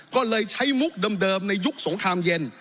ก็เลยใช้มุกเดิมในยุคสงครามเย็น